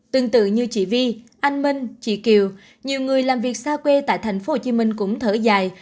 tương tự như chị vi anh minh chị kiều nhiều người làm việc xa quê tại tp hcm cũng thở dài